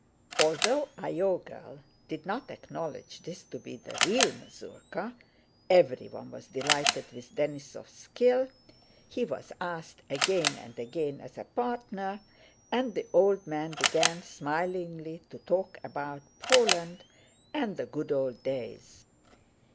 Although Iogel did not acknowledge this to be the real mazurka, everyone was delighted with Denísov's skill, he was asked again and again as a partner, and the old men began smilingly to talk about Poland and the good old days.